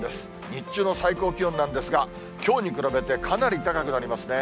日中の最高気温なんですが、きょうに比べて、かなり高くなりますね。